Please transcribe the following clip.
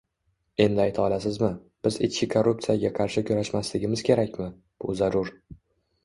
Endi ayta olasizmi, biz ichki korruptsiyaga qarshi kurashmasligimiz kerakmi? Bu zarur